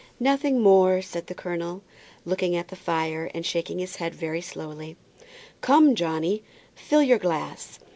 "] "Nothing more," said the colonel, still looking at the fire, and shaking his head very slowly. "Come, Johnny, fill your glass."